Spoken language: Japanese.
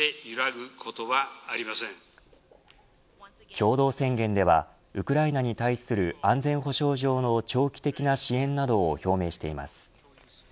共同宣言ではウクライナに対する安全保障上の長期的な支援などを表明しています。